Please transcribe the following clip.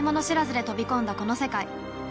知らずで飛び込んだこの世界